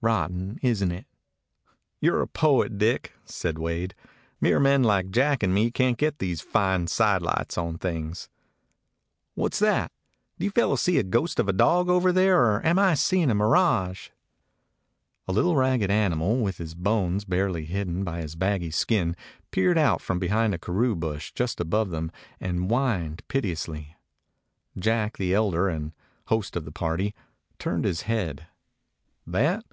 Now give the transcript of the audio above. Rotten, isn't it?" "You 're a poet, Dick," said Wade. "Mere men like Jack and me can't get these fine side lights on things. ... What 's that? Do you fellows see a ghost of a dog over there, or am I seeing a mirage?" A little ragged animal, with his bones barely hidden by his baggy skin, peered out from behind a karoo bush just above them, and whined piteously. Jack, the elder, and host of the party, turned his head. "That?